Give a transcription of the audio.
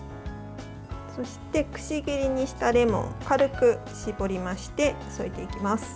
そして、くし切りにしたレモンを軽く搾りまして、添えていきます。